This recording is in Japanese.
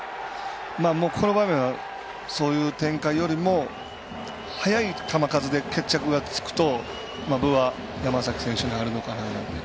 この場面はそういう展開よりも速い球数で、決着がつくと分は山崎選手にあるのかなと。